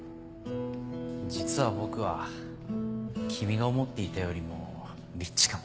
実は僕は君が思っていたよりもリッチかも。